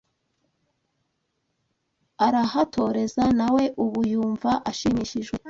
arahatoreza, nawe ubu yumva ashimishijwe